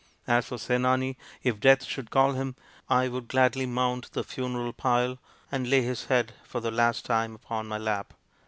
As for Senani, if Death should call him, I would gladly mount the funeral pile and lay his head for the last time upon my lap.